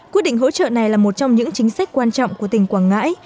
quyết định hỗ trợ này là một trong những chính sách quan trọng của tỉnh quảng ngãi